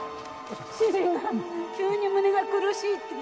主人が急に胸が苦しいって